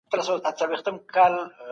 ښه ذهنیت راتلونکی نه زیانمنوي.